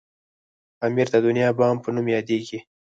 پامير د دنيا بام په نوم یادیږي.